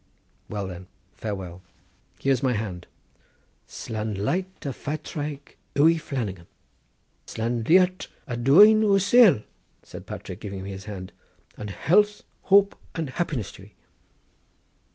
"Well then, farewell! Here's my hand!—Slan leat a Phatraic ui Flannagan!" "Slan leat a dhuine uasail!" said Patrick, giving me his hand; "and health, hope and happiness to ye."